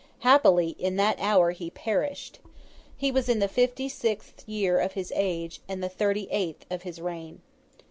Happily, in that hour he perished. He was in the fifty sixth year of his age, and the thirty eighth of his reign.